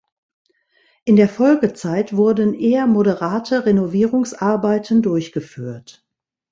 In der Folgezeit wurden eher moderate Renovierungsarbeiten durchgeführt.